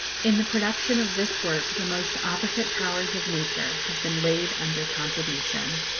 In the production of this work the most opposite powers of nature have been laid under contribution.